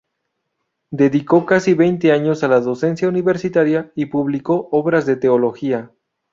Dedicó casi veinte años a la docencia universitaria y publicó obras de teología.